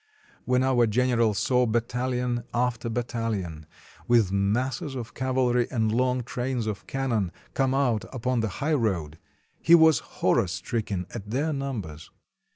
When our general saw battalion after battalion, with masses of cavalry and long trains of cannon, come out upon the highroad, he was horror stricken at their num bers.